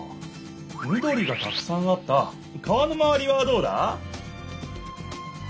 みどりがたくさんあった川のまわりはどうだ？